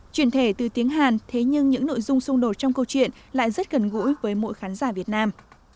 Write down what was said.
truyền thể từ tiếng hàn thế nhưng những nội dung xung đột trong câu chuyện lại rất gần gũi với mỗi khán giả việt nam